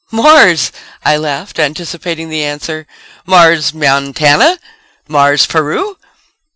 "Mars!" I laughed, anticipating the answer. "Mars, Montana? Mars, Peru?"